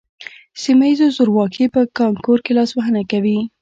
سیمه ییز زورواکي په کانکور کې لاسوهنه کوي